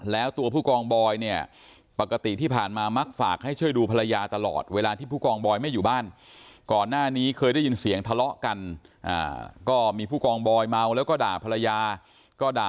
แล้วตัวผู้กองบอยเนี้ยปกติที่ผ่านมามักฝากให้เชื่อดูภรรยาตลอด